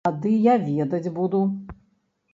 Тады я ведаць буду!